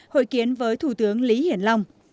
hội kiến với thủ tướng lý hiển long